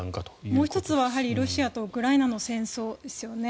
もう１つはロシアとウクライナの戦争ですよね。